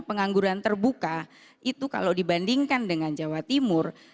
pengangguran terbuka itu kalau dibandingkan dengan jawa timur